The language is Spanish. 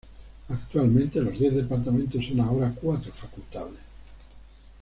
Actualmente los diez departamentos son ahora cuatro facultades.